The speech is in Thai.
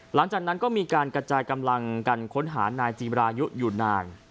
หลังจากนั้นก็มีการกระจายกำลังกันค้นหานายจีบรายุอยู่นาน